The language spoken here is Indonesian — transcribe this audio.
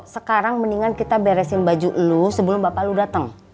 sekarang mendingan kita beresin baju lo sebelum bapak lu datang